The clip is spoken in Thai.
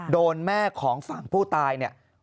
โดนแม่ของฝั่งผู้ตายเนี่ย